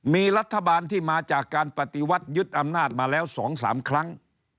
มีรัฐบาลที่มาจากการปฏิวัติยึดอำนาจมาแล้ว๒๓ครั้ง